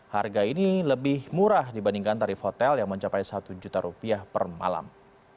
harga ini lebih murah dibandingkan tarif hotel yang mencapai satu juta rupiah per malam